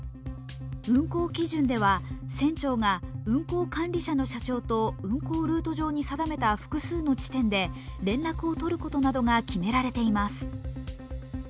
運航基準では船長が運航管理者の社長と運航管理上定めた複数の地点で連絡を取ることなどが決められています。